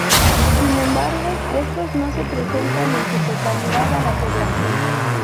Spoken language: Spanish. Sin embargo, estos no se prestan en su totalidad a la población.